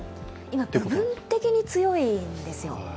今、部分的に強いんです。